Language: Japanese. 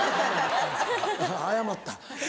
謝った。